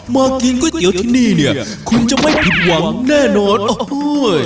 มากินก๋วยเตี๋ยวที่นี่เนี่ยคุณจะไม่ผิดหวังแน่นอนโอ้โห